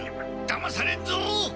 だまされんぞ！